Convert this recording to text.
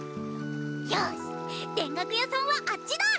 よし田楽屋さんはあっちだ！